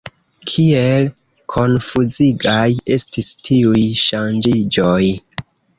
Kiel konfuzigaj estis tiuj ŝanĝiĝoj.